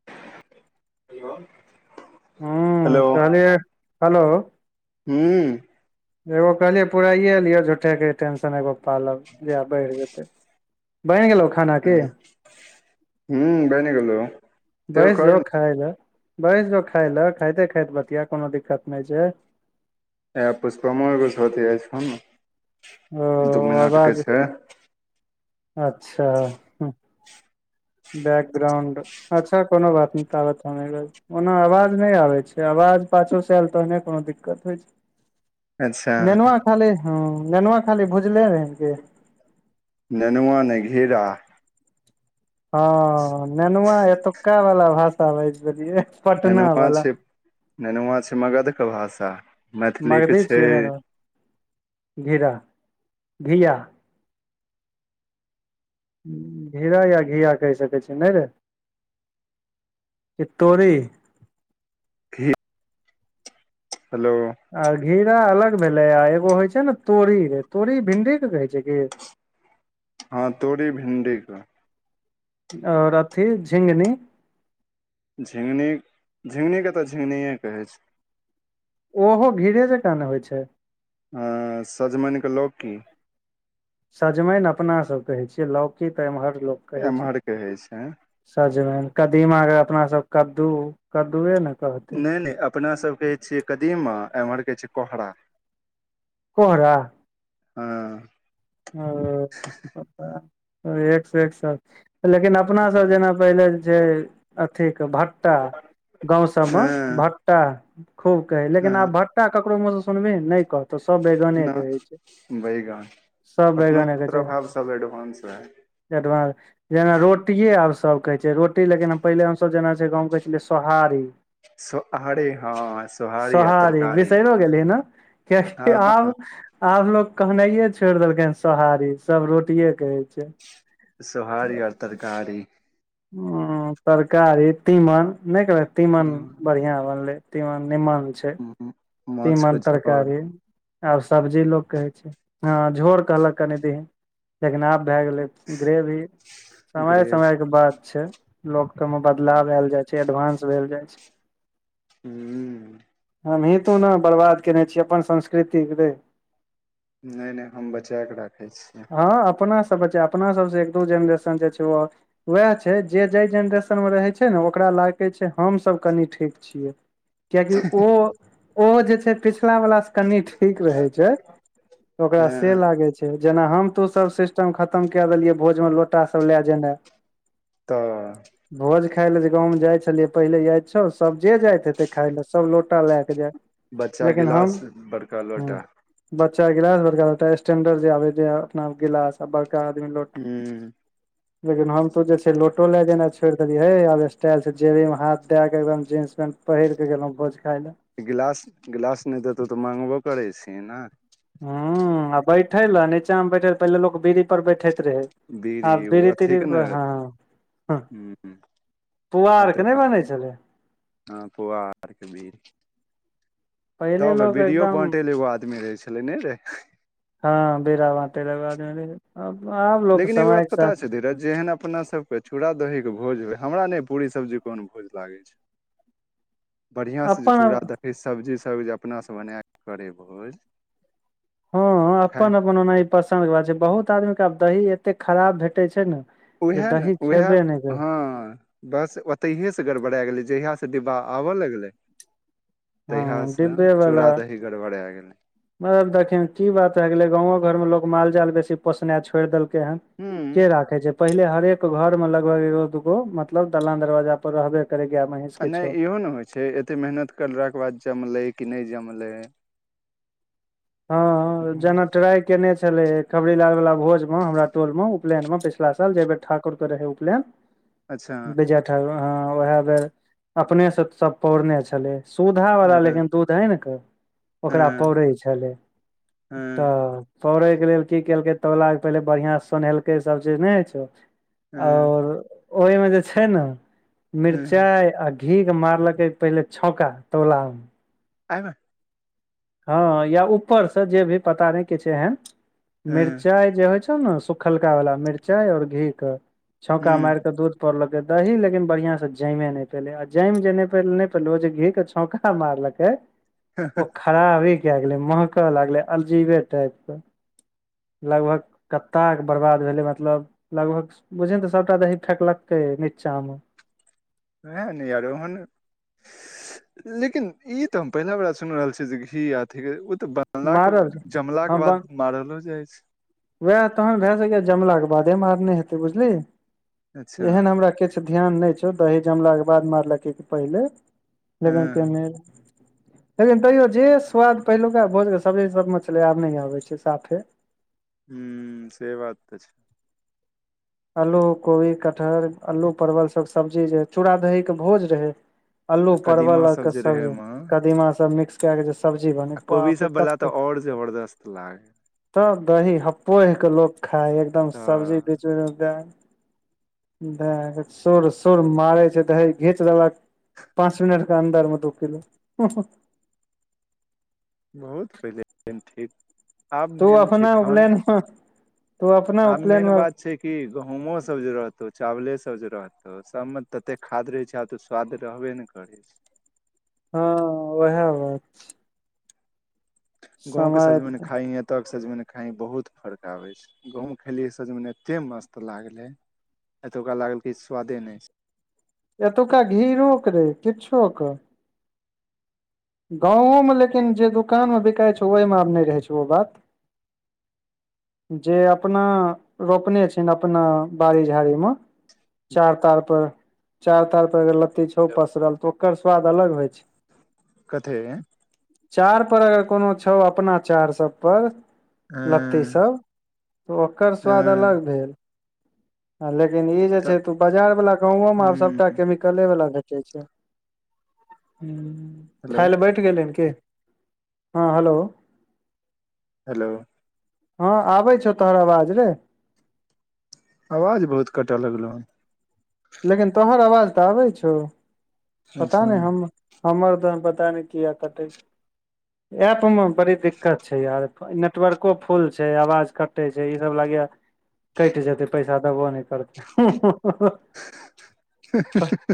[unintelligible] हूं hello कहलिय hello हूँ एगो कहलियै पुराइए लिय झूठेके टेंशन एगो पालब जेह बढ़ि जेतै बैन गेलो खा हूं बैन गेलोउ बैस जो खाय लेए बैस जो खाय लेए खाइते खाइते बतिया कोनो दिक्कत नै छै ए पुष्पमों एगो सँ बतियाइ छौ नऽ [unintelligible] ओ आवाज अच्छा बैकग्राउंड अच्छा कोनो बात नै ताबत हम ओना आवाज नै आबै छै आवाज पाछुसँ आयल तहने कोनो दिक्कत होइ अच्छा छै नेनुआ खाली हूँ नेनुआ खाली भुजने रहि की ननुआ नै घीरा हँ नेनुआ एतुक्का वाला भाषा बाजि दलियै नेनुआ छै नेनुआ छै मगधके भाषा मैथिलीक छै घीरा धीया घीरा या घिया कहि सकै छी नै रे की तोरी घी हेलो आ घीरा अलग भेलै आ एगो होइ छै ने तोरी रे तोरी भिंडी के कहै छै की हँ तोरी भिण्डी केँ आओर अथि झिंगनी झिंगनी झिंगनी केँ तऽ झिंगनीये कहै छै ओहो घीरे जकाँ ने होइ छै हँ सजमनिकेँ लोकी सजमनि अपना सब कहै छियै लौकी तऽ ईम्हर लोक एम्हर कहइ छै सजमैन कदीमा के अपना सब कद्दू -कद्दूए न कहतै नैय -नैय अपना सब के छीयै कदीमा एम्हर कहै छै कोहरा कोहरा हँ ओ एक से एक सरत छै लेकिन अपनासब जेना पहिले जेछै अथीके भट्टा गाँंव सबमे हँ भट्ट ट्टा खूब कहै हँ लेकिन आब भट्टा ककरो मुहसँ सुनबही नै कहतौ सब बैगने न कहै छै बैगन सब बैगने अपनोसब कहै छै प्रभाव स एडवान्स रहै [unintelligible] जेना रोटिये आब सब कहै छै रोटी लेकिन पहिले हम सब जेना छैय गाँव मे कहै छेलियै सोहारी सोहारी हँ सोहारी आ तरका बीसैरो गेलही न कियाकि आब- आब लोग कहनाइये छोड़ देलकै सोहारी सब रोटिेये कहै छै सोहारी आ तरकारी हूँ तरकारी तीमन नै कहलक तीमन बड़ियाँ बनलै तिमन नीमन छै [unintelligible] माछ तीमन के झोर तरकारी आब सब्जी लोक कहै छै हऽ झोर कहलक कनि दीन लेकिन आब भै गेलै ग्रेवी समय ग्रेवी समय कऽ बात छै लोक में बदलाव ऐल जाय छैय छै एडवानंस भेल जाय छै [unintelligible] [inaudible] हमहीँ तु न बर्बाद केने छी अपन संस्कृतिके रेै नै नै हम बचै केँ राखै छियै हऽ अपना सब बचै अपना सब स एक दू जेनरेशन जे छै ओ वहै छै जे जै जेनरेशन में रहैय छै न ओकरा लागै छै हम सब कनी ठीक छियै कियाकि ओ ओ जे छै पिछला वला स कनी ठीक रहेै छै [inaudible] ओकरा से हँ लागे छै जेना हम तु सब सिस्टम खतम कै देलियै भोज में लोटा सब ले जेनै तऽ [inaudible] भोज खै खाय ले जे गाँव में जाय छेलिये पहिले याद छौ सब जे जात हेतेऽ खाय ले सब लोटा लै कऽ जाय बच्चा लेकिन हम गिलास बड़का हूँ लोटा बच्चा गिलास बड़का लोटा स्टैंडर जे आबै है अपना अर गिलास बड़का आदमी लो - हूँ [inaudible] लेकिन हम तु जे छै लोटो लें जेना छोड़ देलि है आब स्टाइल छै जेबी में हाथ दै केँ एकदम जींस पेंट पहिर केँ गेलों भोज खाय ल गिलास गिलास नै देतौ तऽ माँगबो करै छीही न हु आ बैठे लऽ नीचा में बैठे लऽ पहिले लोक बीर पर बैठैत रहै बीड़ी आब ओ बिरी तीरी अथीके ने हऽ [unintelligible] पुआर कऽ नै बनै छलै हऽ पुआर कऽ बिरी तऽ पहिले बै लोक बीडि़यो एकदम बाँटे लए एगो आदमी रहै छलै नेै रै हऽ बेड़ा बाटे लय एगो आदमी रहै अब आब लेकिन एगो बात पता छौ धीरज जेहन अपना सब कौ यऽ चूड़ा दही केँ भोज होै हमरा नै पूरी सब्जी अहोन भोज लागै छै बड़ियाँ से जे अपन चूड़ा दही सब्जी सब अपना स बनै कऽ करेै भोज हऽ खाय अपन अपन ओनाही पसन्द कऽ बात छै बहुत आदमी कऽ आब दही एते खराब भेटै छै न उहै न उहै हऽ बस ओतैहे से गड़बड़ा गेलै जहिया से डिब्बा आब लग लै तहिया हँ से चूड़ा दही गरबड़ा गेलै दखिन की बात भै गेलै गांवो घर में लोग माल जाल बेसी पोसनाय छोड़ देलकै हन हूँ केँ राखेै जे पहिले हरेक घर में लगभग एगो दूगो मतलब दलान दरवाजा पर रहबे करै गैऽ महिस आ नै इहो न होइ छै एतेक मेहनत करला कऽ बाद जमलै कि नै जमलै हँ हँ जनक ट्राई केने छलै खबरी लाल वला भोज हमरा टोल म उपलैन म पछिला साल जा बेर ठाकुर कऽ रहय उपलैन अच्छा [inaudible] विजय ठाकुर हँ ओ है बेर अपने से सब पौरने छलै सुधा वाला हँ लेकिन दूध आइन कऽ ओकरा हँ पौड़े छले हँ तऽ तड़ैके लेल की केलकै तौलाके पहिले बढ़िआँ सोनहेलकै सभचीज नय छौ हँ ओर ओय में जे छै ने हुँ मिरचाइ आ घी के मारलके पहिले छौका तौला म [unintelligible] हँ या ऊपर से जे भी पता नइ के छै एहन हुँ मिरचाई जे होय छै ने सुखलका वाला मिरचाई और घी के छौका हुँ मार के दूध पौड़लक दही लेकिन बढ़िया से जमे नय पेलै आ जम जे नै पैले ओ जे घी के छौंका मारलकै हँ ओ [unintelligible] खराबी के गेले महक लागले अलजीवे टाइप कऽ लगभग कत्ता के बर्बाद भेले मतलब लगभग बुझ ने तऽ सबटा दी फैेक लागतै निचामे [unintelligible] लेकिन ई तऽ हम पहिला बेड़ा सुन रहल छीय जे घी अथी ओ तऽ ब जमलाक मारल जमला कऽ हँ ब बाद मारलो जाइ छै वएह तहन भए सकै जमलाे बादे मारने हेतै बुझलीही अच्छा एहन हमरा किछु ध्यान नय छौ दही जमलाके बाद मारलकै कि पहिले लेकिन के हँ लेकिन तैयो जे स्वाद पेहलुका भोज सब्जी सब म छले आब नय आबै छै साफे हूं से बात तऽ छै आलू कोबी कटहर आलू परवल सभ सब्जी जे चूड़ा दही के भोज रहै अलू परवल कदीमा आर सब के जे रहे सब्जी ओमे कदीमा सब मिक्स के कऽ जे छै सब्जी बने आ कोबी बाप रे सब वाला कते तऽ और जबरदस्त लागे तब दही हपोएह के लोक खाइ ह एकदम सब्जी तऽ बिच में देए दऽ सुर सुर मारै छै दही घींच देलक पाँच मिनट के अन्दर में दू किलो बहुत पहिले [unintelligible] ठीक आब तू मेन छै अपना खान उपलैन में आब मेन बात छै कि गहूमो सब जे रहतौ चावले सब जे रहतौ सब में ततेक खाद रहै छै आब तऽ स्वाद रहबे ने कर कर हँ उएह बात छै गाँवं के समय सजमइन खइही एतऽ के सजमइन खाइ कहीँ बहुत फर्क आबै छै गांउ में खेलियै सजम एते मस्त लागलै एतुका लागल किछ सुवादे नय छै एतुका घीरोे कऽ रहे किछो क गाँवो में लेकिन जे दोकानमे बिकाइ छै ओहिमे आब नय रहै छै ओ बात जे अपना रोपने छी अपना बाड़ी झाड़ी में चार तार पर चार तार पर अगर लत्ती छौउ छै पसरल तऽ ओकर स्वाद अलग होइ छै कथि चार पर अगर कोनो छौ अपना चार सब पर लऽ ई हँ सब तऽ ओकर स्वाद हँ अलग भेल हँ लेकिन ई जे तऽ छै तू बाजार वला गोउओ म हूँ सबटा कले बला भेटे छैय हेलो खायल बै कैट गेल हन कि हँ हेलो हेलो हँ आबै छौ तोहर आवाज रे आवाज बहुत कटऽ लगलौ लेकिन तोहर आवाज तऽ आबै छौ पता अच्छा नै हम हमर त पता नै किया कटै छै एप मे बड़ी दिक्कत छै यार नेटवरको फुल छै आवाज कटै छै ई सब लागै या कैटजेतै पैसा देबो नै करतै हँ----------जा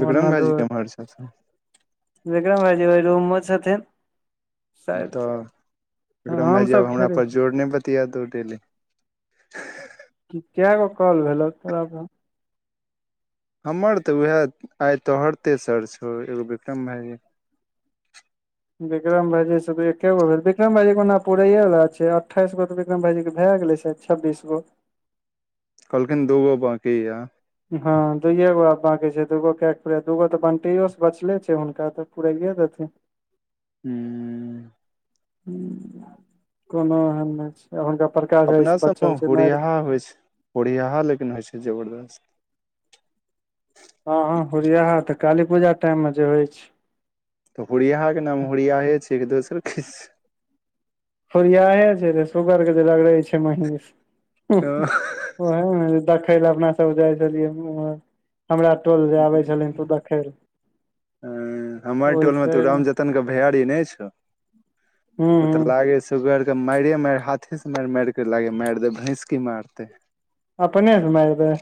विक्रम भाईजी किमहर छैथ से विक्रम भाइजी ओय रूममे छथिन शायद तऽ विक्रम हमसभ भाईजीआब हमरा खेले पर जोर नै बतिया दू डेलै कएगो काँल भेलो तोरा प हमर तऽ उएह आइ तोहर तेसर छौ एगो बिक्रम भाइजी बिक्रम भाईजी से त एकेगो भेल बिक्रम भाईजीे ओना पुरैयए बला छै अठाइसोऽ बिक्रम भाईजी के भए गेलै साद छबीस गो कहलखिन दूगो बाँकी या हँ दुयए गो आब बाँकी छै दूगो कए के पू दूगो तऽ बंटैयो से बचले छै हुनका तऽ पूरायो देथिन [inaudible] हूँ हु कोनो एहन नै छै हुनका प्रकाश भाईजी स बचल छै हुनका मैर [unintelligible] छैय ओरियाहा लेकिन होइ छै जबरदस्त हँ हँ होरियाहा तऽ काली पूजा टाइम मे जे होइ छै तऽ होरियाहा के नाम होरियाहे छै कि दोसर किछ छैय होरियाहे छै सुगर के जे रगड़ै छै महींष [unintelligible] देखै लए अपना सब जाइ छलियै उ ओमहर हमरा टोल जे आबै छलहीन तू देखै ला अ हमर टोल मे तो हूँ राम जतनके भैयरी नै छौ ओत हूँ लागे छैय सुगर के मारे मारि हाथेसँ मारि मारिके लागै मारि दै भैंसके मारतै अपने स माएर दैय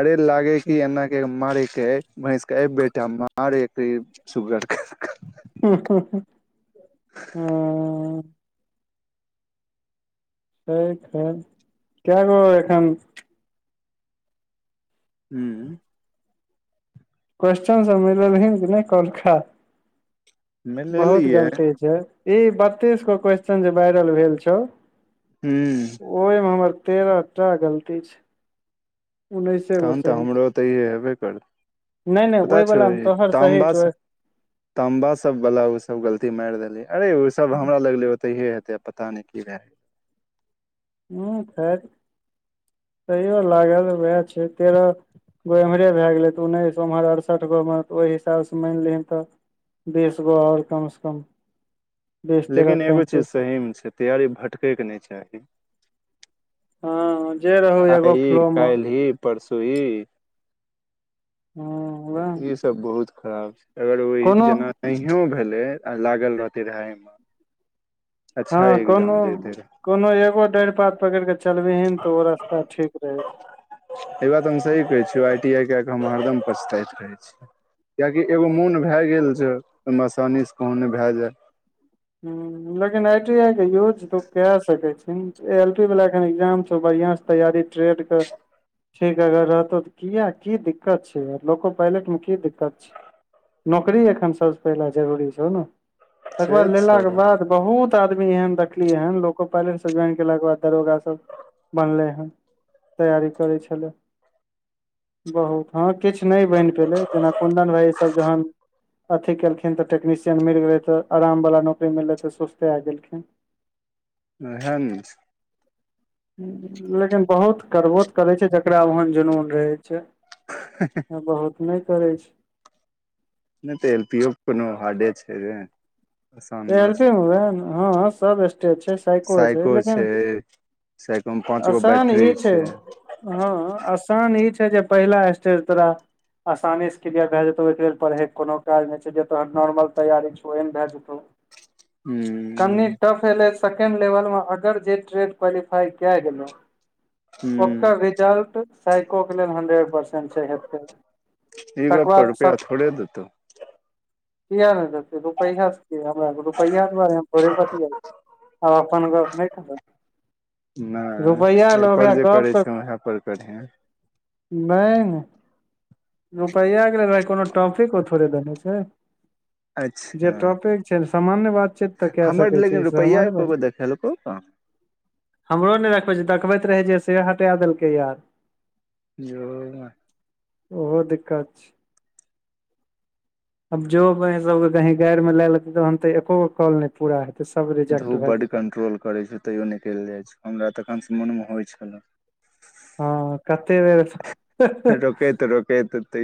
अरे लागै कि एना के मारै के महिंष [unintelligible] सुगर के हु हु हँ हँ [unintelligible] एखन उ कोसन सब मिलौलहिन कि नै कौहलखा बहुत मिलेलियै गलती छै ई बत्तीस गो क्वेश्चन जे वायरल भेल छौ हूँ ओय मे हमर तेरह टा गलती छै उन्नैसे गो तखन तऽ सही हमरो तऽ ई हेबे करत छै नहि नहि पता ओहि छौ वला मे ई तोहर सही तामबा छौ स ताम्बा सबवला ओसब गलती मारि देलियै अरे ओसब हमरा लगलै ओ तऽहि हेतै पता नै की रहै हुँ खैर तैयो लागल उएह छै तेरह गो एम्हरे भए गेलै तऽ उन्नैस ओम्हर अड़सठि गो मे तऽ ओहि हिसाबसँ मानि लिहन तऽ बीसगो और कम स कम बीस लेकिन तेरह एगो चीज तैंतीस सहीमे छैय तैयारी भटकै कऽ नै चाही हँ जे रहू एगो फ्लो मे परसु ई ह वएह [inaudible] ई सब बहुत खराब छै अगर उही कोनो जेना नहियो भेलै आ लागल रहतै रहै अए म हँ कोनो रहे कोनो एगो डाइर पात पकड़ कऽ चलबहीन तऽ ओ रास्ता ठीक रहै छै ई बात हम सही कहै छी आई टी आई कै कऽ हम हरदम पचताइत रहै छी किए कि एगो मोन भै गेल छै ओ म आसानी से कहु नै भै जाय हु लेकिन आई टी आई के यूज तू कै सकै छी ए एल पी वाला एखन एग्जाम छौ बड़ियाँ स तैयारी ट्रेड कऽ ठीक अगर रहतौ तऽ किये की दिक्कत छै लोको पालेट मे की दिक्कत छै नौकरी एखन सब स पहिले जरूरी छौ न से लेला सब कऽ बाद बहुत आदमी एहन देखलियै हन लोको पाइलेट से ज्वाइन केलाे बाद दरोगा सब बनलै हऽ तैयारी करै छलै [inaudible] बहुत हँ किछ नै बैन पेलै जेना कुन्दन भाईजी सब जहन अथि केलखिन तऽ टेक्शियन मिल गेलै तऽ आरामवला नौकरी मिललै तऽ सुस्तै गेलखिन ओहे न छै लेकिन बहुत करबो तऽ करै छै जकरा ओहन जुनून रहै छै [unintelligible] बहुत नै करै छै नै तऽ एल पी ओ कोनो हार्डे छै रे आसान ए नहि एल छै पी वैह न हऽ सब स्टेट छै साइको छै लेकिन साइको में पाँच गो बैटरी छै हऽ आसान ई छै जे पहिला स्टेज तोरा आसानी से क्लियर भऽ जेतौ ओइकेँ लेल पड़हैक कोनो काज नै छैय जे तोहर नॉर्मल तैयारी छौ ओइ में भऽ जेतौ [unintelligible] कनि टफ एलै सेके़ड लेवल में अगर जे ट्रेड क्वालिफाई कै गेलौ हूं ओकर रिजल्ट साइकोे कऽ लेल हंड्रेड परसेंट छै हे [inaudible] ई गप पर रुपै थोड़े देतौ किया नै देतै रुपैआ से किया रुपैआ दुआरे हम थोड़े बतियाय छी हम अपन गप नै करब नै रुपैआ यैर लए ओकरा पर जे गप करै के छै उहे पर करिहै [unintelligible] रुपैया कऽ लेल नै कोनो ट्रफिक थोड़े देखै छै अच्छा चल सामान्य बात चीत तऽ कै हमर सकै छै लेकिन इ रुपैया सामान्य बात एको चीत गो [inaudible] देखेलकौ कहाँ हमरो नै देखबै छै देखबैत रहै जे से हटा देलकै यार जो बाइ ओहो दिक्कत छै [inaudible] आब जो बाइ सब कऽ कही गैर में लै लेतै तहन तऽ एकोगो कॉल नै पूरा हेतै सब रिजेक्ट धू भए बड जेतै कंट्रोल करै छियै तैयो निकलि जाय छै हमरा तखन स मोन म होइ छलै हँ कते बेर [unintelligible] रोकैत रोकैत तैयो